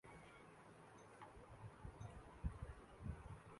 ascension island